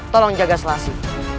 tolong jaga selasi